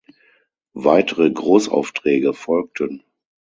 Weitere Großaufträge folgten.